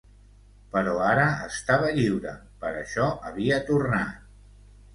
Però ara estava lliure, per això havia tornat.